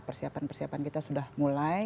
persiapan persiapan kita sudah mulai